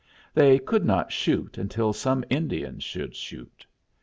They could not shoot until some Indian should shoot.